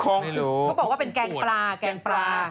เขาบอกว่าเป็นแกงปลาแกงปลา